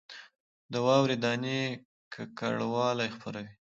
د واورې دانې ککړوالی خپروي